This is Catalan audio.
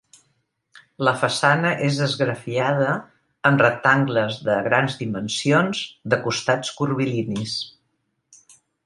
La façana és esgrafiada amb rectangles de grans dimensions de costats curvilinis.